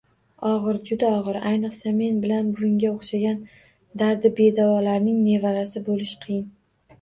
Ogʻir, juda ogʻir, ayniqsa men bilan buvingga oʻxshagan dardibedavolarning nevarasi boʻlish qiyin…